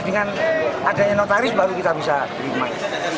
dengan adanya notaris baru kita bisa beriman